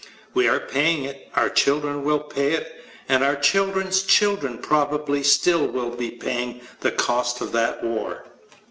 We are paying it, our children will pay it, and our children's children probably still will be paying the cost of that war.